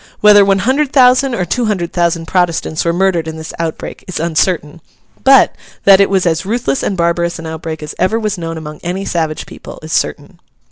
Whether one hundred thousand or two hundred thousand Protestants were murdered in this outbreak, is uncertain; but, that it was as ruthless and barbarous an outbreak as ever was known among any savage people, is certain.